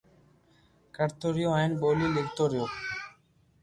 ڪرتو رھيو ھين ٻولي لکتو رھيو